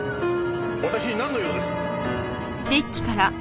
私になんの用です？